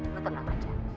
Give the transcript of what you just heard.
lo tenang aja